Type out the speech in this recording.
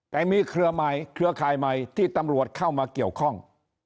แต่มีเครือข่ายใหม่ที่ตำรวจเข้ามาเกี่ยวข้อง